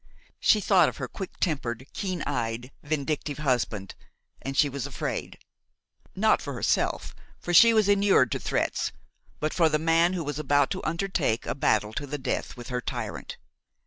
She thought of her quick tempered, keen eyed, vindictive husband, and she was afraid,–not for herself, for she was inured to threats, but for the man who was about to undertake a battle to the death with her tyrant.